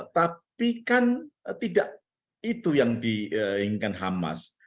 tapi kan tidak itu yang diinginkan hamas